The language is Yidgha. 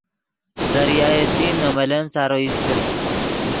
دریائے سندھ نے ملن سارو ایستے